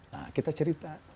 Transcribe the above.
nah kita cerita